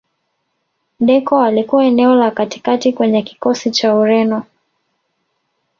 deco alikuwa eneo la katikati kwenye kikosi cha ureno